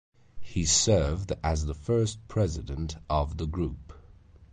He served as the first president of the group.